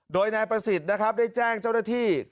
โดยนายประสิทธิ์นะครับได้แจ้งเจ้าหน้าที่